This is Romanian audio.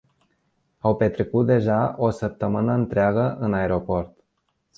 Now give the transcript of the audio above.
Au petrecut deja o săptămână întreagă în aeroport.